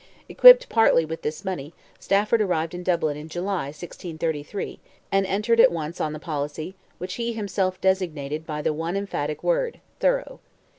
Equipped partly with this money Stafford arrived in Dublin in July, 1633, and entered at once on the policy, which he himself designated by the one emphatic word—"THOROUGH."